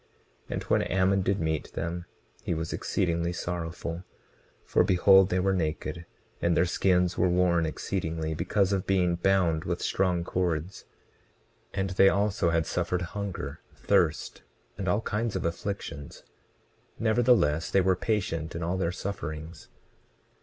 20:29 And when Ammon did meet them he was exceedingly sorrowful, for behold they were naked, and their skins were worn exceedingly because of being bound with strong cords. And they also had suffered hunger, thirst, and all kinds of afflictions; nevertheless they were patient in all their sufferings.